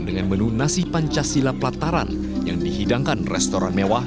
dengan menu nasi pancasila plataran yang dihidangkan restoran mewah